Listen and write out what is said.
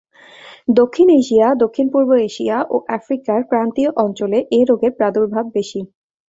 দক্ষিণ এশিয়া, দক্ষিণ-পূর্ব এশিয়া ও আফ্রিকার ক্রান্তীয় অঞ্চলে এ রোগের প্রাদুর্ভাব বেশি।